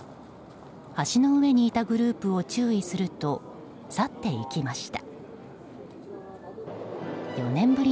橋の上にいたグループを注意すると、去っていきました。